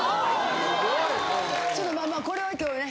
・ちょっとまあまあこれを今日ね